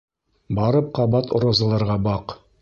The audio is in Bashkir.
Барып ҡабат розаларға баҡ.